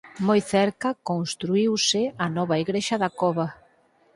Moi cerca construíuse a nova igrexa da Cova.